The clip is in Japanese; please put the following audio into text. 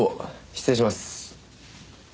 失礼します。